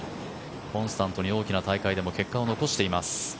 コンスタントに大きな大会でも結果を残しています。